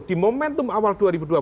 di momentum awal dua ribu dua puluh